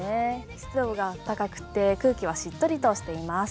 湿度が高くて空気はしっとりとしています。